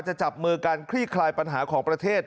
จะจับมือการคลี่คลายปัญหาของประเทศ